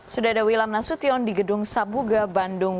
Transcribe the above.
sudah ada wilam nasution di gedung sabuga bandung